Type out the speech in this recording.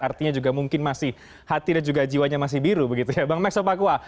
artinya juga mungkin masih hati dan juga jiwanya masih biru begitu ya bang maxo pakua